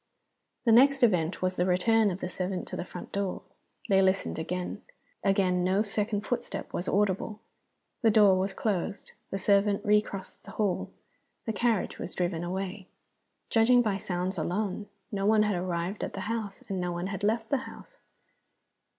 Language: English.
The next event was the return of the servant to the front door. They listened again. Again no second footstep was audible. The door was closed; the servant recrossed the hall; the carriage was driven away. Judging by sounds alone, no one had arrived at the house, and no one had left the house.